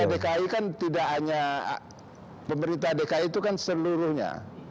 dki kan tidak hanya pemerintah dki itu kan seluruhnya